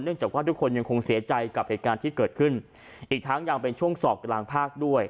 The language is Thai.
จากว่าทุกคนยังคงเสียใจกับเหตุการณ์ที่เกิดขึ้นอีกทั้งยังเป็นช่วงสอบกลางภาคด้วย